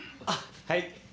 あっはい。